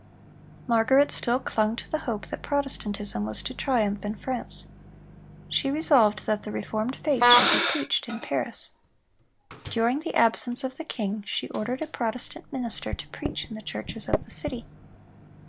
Margaret still clung to the hope that Protestantism was to triumph in France. She resolved that the reformed faith should be preached in Paris. During the absence of the king, she ordered a Protestant minister to preach in the churches of the city.